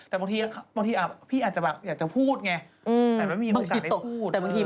จี้อะไรแบบนี้